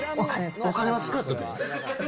お金は使ったで。